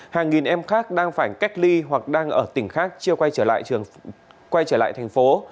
hàng nghìn em khác đang phải cách ly hoặc đang ở tỉnh khác chưa quay trở lại thành phố